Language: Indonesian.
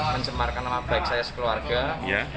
mencemarkan nama baik saya sekeluarga ya